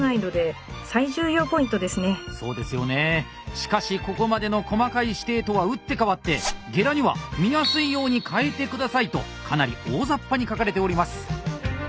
しかしここまでの細かい指定とは打って変わってゲラには「見やすいように変えてください」とかなり大ざっぱに書かれております。